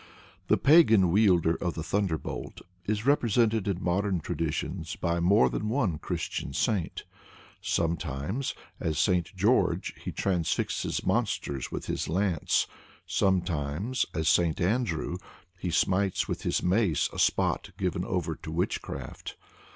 The pagan wielder of the thunderbolt is represented in modern traditions by more than one Christian saint. Sometimes, as St. George, he transfixes monsters with his lance; sometimes, as St. Andrew, he smites with his mace a spot given over to witchcraft.